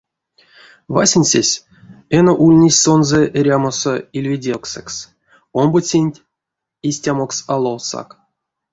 Васенцесь эно ульнесь сонзэ эрямосо ильведевксэкс, омбоценть истямокс а ловсак.